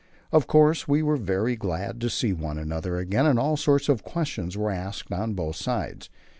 Of course we were very glad to see one another again and all sorts of questions were asked on both sides.